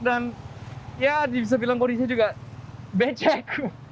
dan ya bisa dibilang kondisinya juga becek